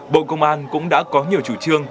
bộ công an cũng đã có nhiều chủ trương